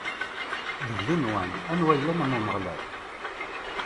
Deg yigenwan, anwa yellan am Umeɣlal?